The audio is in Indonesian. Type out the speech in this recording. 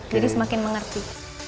jadi semakin mengerti